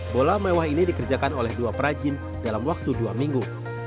bola mewah ini dikerjakan oleh dua perajin dalam waktu dua minggu